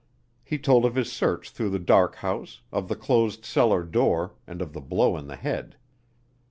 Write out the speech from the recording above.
He told of his search through the dark house, of the closed cellar door, and of the blow in the head.